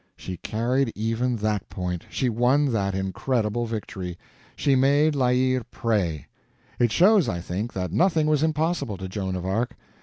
—she carried even that point, she won that incredible victory. She made La Hire pray. It shows, I think, that nothing was impossible to Joan of Arc.